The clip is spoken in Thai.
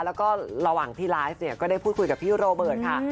แล้วก็ระหว่างที่ไลฟ์เนี่ยก็ได้พูดคุยกับพี่โรเบิร์ตค่ะ